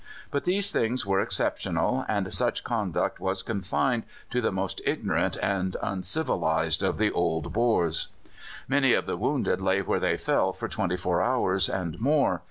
But these things were exceptional, and such conduct was confined to the most ignorant and uncivilized of the old Boers. Many of the wounded lay where they fell for twenty four hours and more.